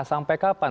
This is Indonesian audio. sampai kapan mereka